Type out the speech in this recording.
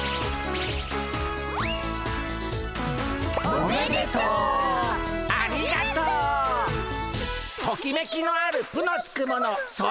「おめでとう」「ありがとう」「トキメキのある『ぷ』のつくものそれは」。